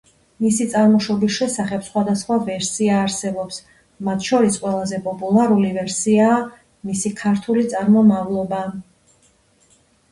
მისი წარმოშობის შესახებ სხვადასხვა ვერსია არსებობს, მათ შორის ყველაზე პოპულარული ვერსიაა მისი ქართული წარმომავლობა.